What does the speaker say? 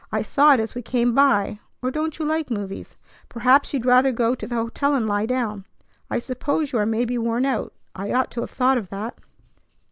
I saw it as we came by. Or don't you like movies? Perhaps you'd rather go to the hotel and lie down. I suppose you are maybe worn out. I ought to have thought of that."